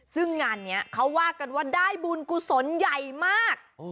ซึ่งงานนี้เขาว่ากันว่าได้บุญกุศลใหญ่มาก